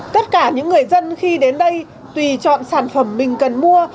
tất cả những người dân khi đến đây tùy chọn sản phẩm mình cần mua